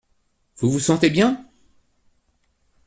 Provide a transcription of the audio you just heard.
Vous vous sentez bien ?